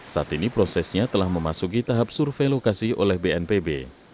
saat ini prosesnya telah memasuki tahap survei lokasi oleh bnpb